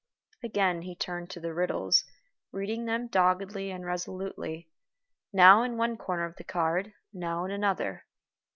Again he turned to the riddles, reading them doggedly and resolutely, now in one corner of the card, now in another.